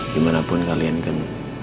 dimanapun kalian kan